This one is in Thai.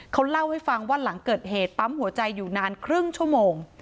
เขาเล่าให้ฟังว่าหลังเกิดเหตุปั๊มหัวใจอยู่นานครึ่งชั่วโมง